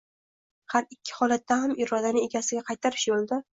Har ikki holatda ham irodani egasiga qaytarish yo‘lida